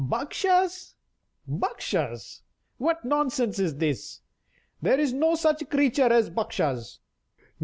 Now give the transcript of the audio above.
"Bakshas! Bakshas! What nonsense is this? There is no such creature as a Bakshas!"